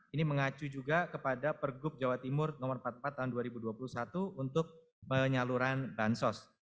ini mengacu juga kepada pergub jawa timur nomor empat puluh empat tahun dua ribu dua puluh satu untuk penyaluran bansos